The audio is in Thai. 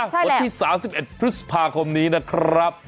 วันที่๓๑พฤษภาคมนี้นะครับ